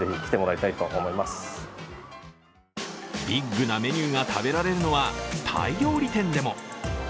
ビッグなメニューが食べられるのは、タイ料理店でも。